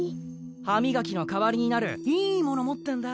歯みがきの代わりになるいいもの持ってるんだ。